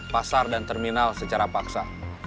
pasar dan terminal secara paksa